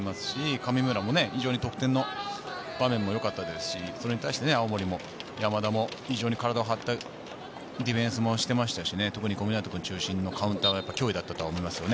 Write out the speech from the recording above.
神村も非常に得点の場面もよかったですし、それに対して青森山田も体を張ったディフェンスもしていましたし、特に小湊君中心のカウンターが脅威だったと思いますね。